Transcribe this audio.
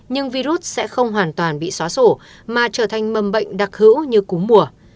nhưng virus sẽ không hoàn toàn bị xóa sổ mà trở thành mầm bệnh đặc hữu như cúng mùa